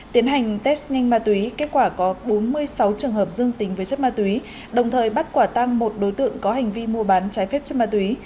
tiến hành test nhanh ma túy kết quả có bốn mươi sáu trường hợp dương tính với chất ma túy đồng thời bắt quả tăng một đối tượng có hành vi mua bán trái phép chất ma túy